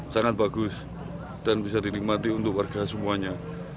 sangat bagus dan bisa dinikmati untuk warga semuanya